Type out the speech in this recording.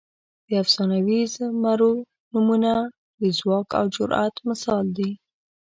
د افسانوي زمرو نومونه د ځواک او جرئت مثال دي.